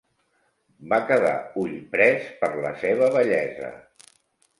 Va quedar ullprès per la seva bellesa.